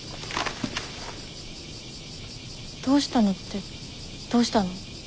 どうしたのってどうしたの？